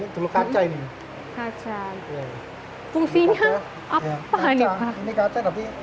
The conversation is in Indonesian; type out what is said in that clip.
dia juga melakukan penyelidikan bid zabang sudah kali